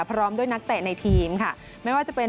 พร้อมด้วยนักเตะในทีมค่ะไม่ว่าจะเป็น